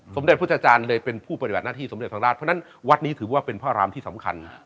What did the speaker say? สมเด็จพุทธจารย์เลยเป็นผู้ปฏิบัติหน้าที่สมเด็จพระราชเพราะฉะนั้นวัดนี้ถือว่าเป็นพระรามที่สำคัญ